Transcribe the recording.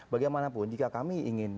bagaimanapun jika kami ingin